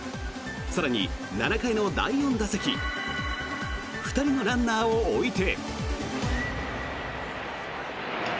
更に、７回の第４打席２人のランナーを置いて。